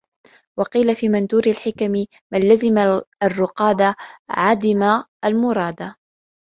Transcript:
وَقِيلَ فِي مَنْثُورِ الْحِكَمِ مَنْ لَزِمَ الرُّقَادَ عَدِمَ الْمُرَادَ